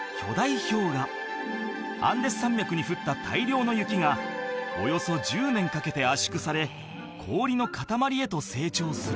氷河アンデス山脈に降った大量の雪がおよそ１０年かけて圧縮され氷の塊へと成長する